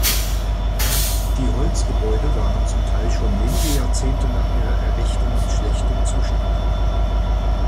Die Holzgebäude waren zum Teil schon wenige Jahrzehnte nach ihrer Errichtung in schlechtem Zustand.